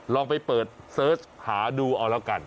ลองไปเปิดเสิร์ชหาดูเอาแล้วกัน